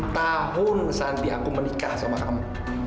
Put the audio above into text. sepuluh tahun nanti aku menikah sama kamu